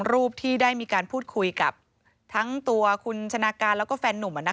รูปที่ได้มีการพูดคุยกับทั้งตัวคุณชนะการแล้วก็แฟนนุ่ม